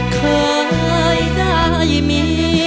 เคยได้มี